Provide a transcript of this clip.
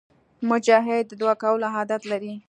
مجاهد د دعا کولو عادت لري.